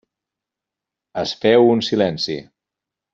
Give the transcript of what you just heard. Es féu un silenci.